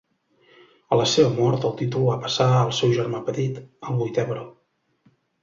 A la seva mort, el títol va passar al seu germà petit, el vuitè baró.